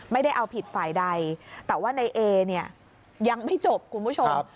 ไม่ได้เอาผิดฝ่ายใดแต่ว่าในเอเนี่ยยังไม่จบคุณผู้ชม